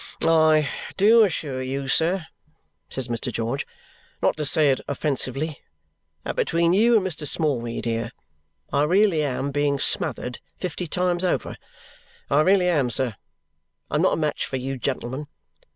"I do assure you, sir," says Mr. George, "not to say it offensively, that between you and Mr. Smallweed here, I really am being smothered fifty times over. I really am, sir. I am not a match for you gentlemen.